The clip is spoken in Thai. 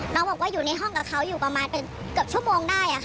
บอกว่าอยู่ในห้องกับเขาอยู่ประมาณเกือบชั่วโมงได้